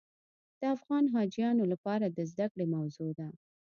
د افغان حاجیانو لپاره د زده کړې موضوع ده.